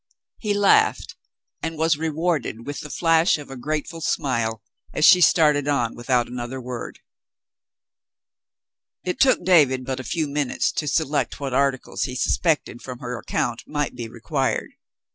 He laughed and was rewarded with the flash of a grateful smile as she started on without another w^ord. It took David but a few minutes to select what articles he suspected, from her account, might be required.